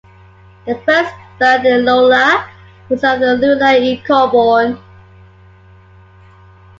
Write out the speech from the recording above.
The first birth in Iola was that of Luella E. Colborn.